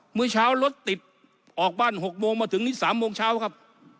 เมื่อเช้ารถติดออกบ้าน๖โมงมาถึงนี้๓โมงเช้าครับ